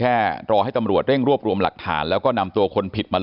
รอให้ตำรวจเร่งรวบรวมหลักฐานแล้วก็นำตัวคนผิดมา